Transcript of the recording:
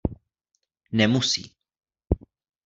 Nemusí.